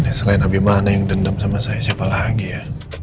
ya selain nabi mana yang dendam sama saya siapa lagi ya